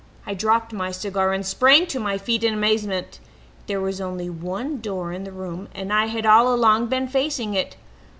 I dropped my cigar and sprang to my feet in amazement. There was only one door in the room and I had all along been facing it.